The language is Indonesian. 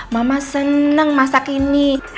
mama seneng masak ini